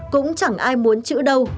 cũng chẳng ai muốn chữ đâu